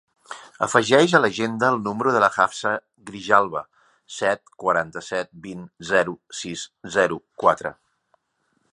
Afegeix a l'agenda el número de la Hafsa Grijalba: set, quaranta-set, vint, zero, sis, zero, quatre.